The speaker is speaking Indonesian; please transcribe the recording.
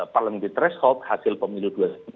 parlemen di treskot hasil pemilu dua ribu sembilan belas